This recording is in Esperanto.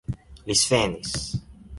Li svenis.